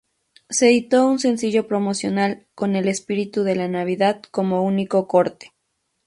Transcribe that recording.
Se editó un sencillo promocional con "El espíritu de la Navidad" como único corte.